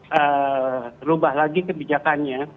terubah lagi kebijakannya